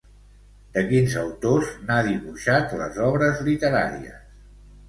De quins autors n'ha dibuixat les obres literàries?